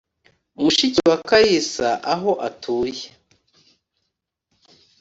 mushiki wa kalisa aho atuye,